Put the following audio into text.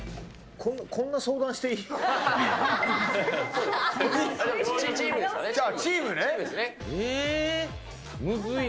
こんな相談していいの？